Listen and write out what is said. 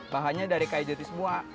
bahannya dari kaya jati sebuah